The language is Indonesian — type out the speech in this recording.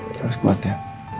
terus kuat ya